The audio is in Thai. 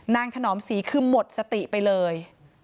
ถนอมศรีคือหมดสติไปเลย